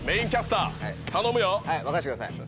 はい任せてください。